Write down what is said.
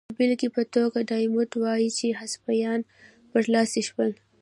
د بېلګې په توګه ډایمونډ وايي چې هسپانویان برلاسي شول.